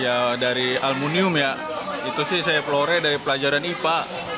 ya dari aluminium ya itu sih saya pelore dari pelajaran ipa